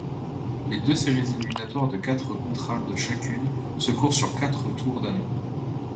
Les deux séries éliminatoires de quatre contrades chacune se courent sur quatre tours d'anneau.